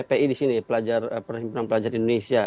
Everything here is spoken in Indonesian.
ppi di sini pelajar perkhidmatan pelajar indonesia